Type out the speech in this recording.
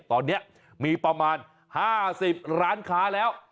ตอนนี้มีประมาณห้าสิบล้านค้าแล้ว